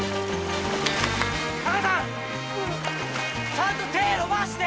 ちゃんと手ぇ伸ばして！